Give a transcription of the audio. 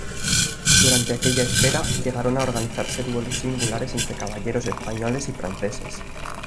Durante aquella espera, llegaron a organizarse duelos singulares entre caballeros españoles y franceses.